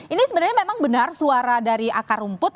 ini sebenarnya memang benar suara dari akar rumput